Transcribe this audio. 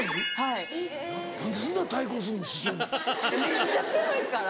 めっちゃ強いから。